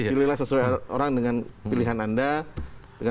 pilihlah sesuai orang dengan pilihan anda